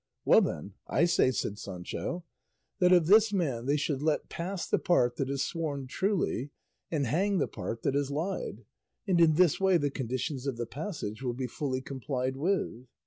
"Well then I say," said Sancho, "that of this man they should let pass the part that has sworn truly, and hang the part that has lied; and in this way the conditions of the passage will be fully complied with."